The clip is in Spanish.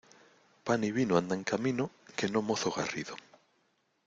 Pan y vino andan camino, que no mozo garrido.